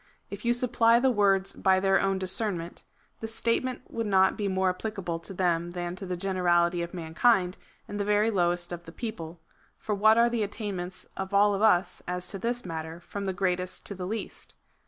If you supply the words hy their own discernment, the statement would not be more applicable to them than to the generality of man kind, and the very lowest of the people ; for what are the attainments of all of us as to this matter, from the greatest to the least